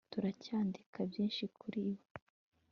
turacyandika byinshi kuri bo